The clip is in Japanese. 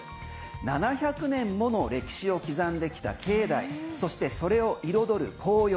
７００年もの歴史を刻んできた境内そして、それを彩る紅葉